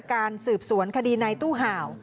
การสืบสวนคดีในตู้ห่าว